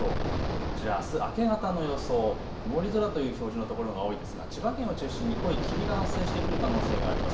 こちらあす明け方の予想、曇り空という表示の所が多いですが千葉県を中心に濃い霧が発生してくる可能性があります。